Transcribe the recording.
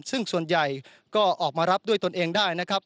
ซึ่งส่วนใหญ่ก็ออกมารับด้วยตนเองได้นะครับ